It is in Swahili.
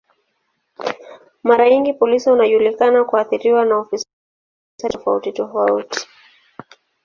Mara nyingi polisi wanajulikana kuathiriwa na ufisadi kwa kiasi tofauti tofauti.